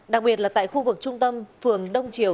đặc biệt là tại khu vực trung tâm phường đông triều